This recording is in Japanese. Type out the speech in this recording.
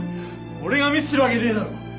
俺がミスするわけねえだろ！